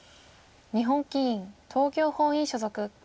日本棋院東京本院所属。